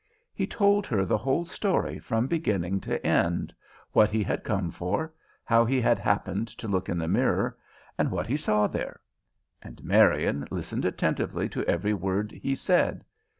He told her the whole story from beginning to end what he had come for, how he had happened to look in the mirror, and what he saw there; and Marian listened attentively to every word he said.